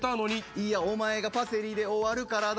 いや、お前がパセリで終わるからや。